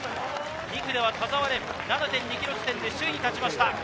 ２区では田澤廉、７．２ｋｍ地点で首位に立ちました。